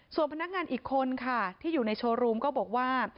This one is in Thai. ส่วนพนักงานอีกคนค่ะที่อยู่ในโชว์รูมก็บอกว่า